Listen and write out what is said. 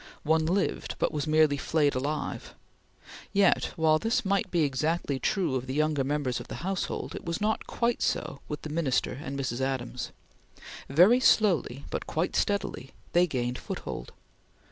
One lived, but was merely flayed alive. Yet, while this might be exactly true of the younger members of the household, it was not quite so with the Minister and Mrs. Adams. Very slowly, but quite steadily, they gained foothold.